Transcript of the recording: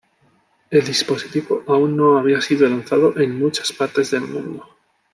El dispositivo aún no había sido lanzado en muchas partes del mundo.